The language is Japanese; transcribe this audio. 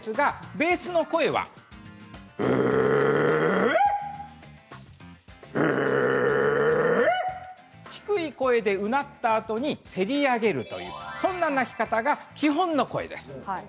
ベースの声はブチハイエナの鳴きまね低い声でうなったあとにつり上げるというそんな鳴き方が基本の声です。